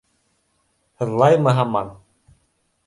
— Һыҙлаймы һаман?